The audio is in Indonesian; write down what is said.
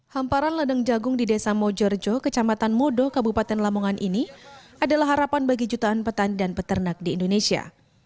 hamparan ledeng jagung di desa mojorjo kecamatan modo kabupaten lamongan ini adalah harapan bagi jutaan petani dan peternak di indonesia